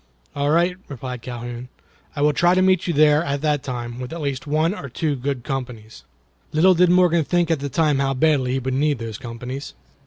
"All right," replied Calhoun, "I will try to meet you there at that time, with at least one or two good companies." Little did Morgan think at the time how badly he would need those companies.